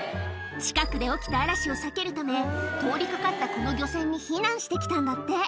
近くで起きた嵐を避けるため、通りかかったこの漁船に避難してきたんだって。